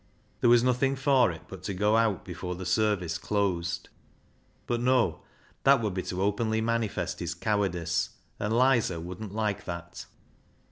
There was nothing for it but to go out before the service closed. But no ; that would be to openly manifest his cowardice, and Lizer wouldn't like that.